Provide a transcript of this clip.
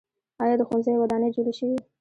آیا د ښوونځیو ودانۍ جوړې شوي؟